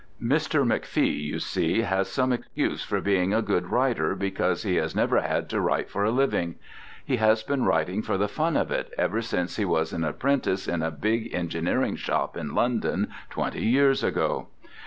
Mr. McFee, you see, has some excuse for being a good writer because he has never had to write for a living. He has been writing for the fun of it ever since he was an apprentice in a big engineering shop in London twenty years ago.